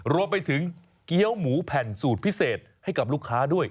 รวมไปถึงเกี้ยวหมูแผ่นสูตรพิเศษให้กับลูกค้าด้วย